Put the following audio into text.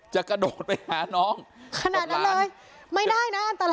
จะกระโดดไปหาน้องขนาดนั้นเลยไม่ได้นะอันตราย